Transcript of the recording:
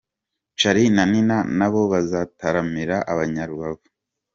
Charly na Nina nabo bazataramira abanya Rubavu.